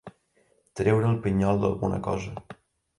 Treure el pinyol d'alguna cosa.